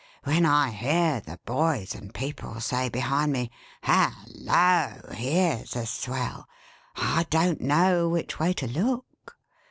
When I hear the boys and people say behind me, 'Hal loa! Here's a swell!' I don't know which way to look.